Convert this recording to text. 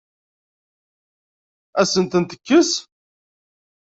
Ad asen-ten-tekkes?